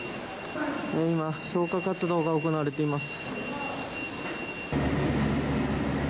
今、消火活動が行われています。